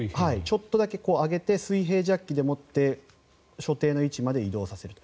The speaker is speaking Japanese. ちょっとだけ上げて水平ジャッキで持って所定の位置まで移動させると。